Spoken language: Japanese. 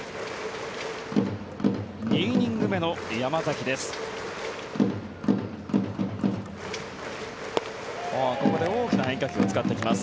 ２イニング目の山崎です。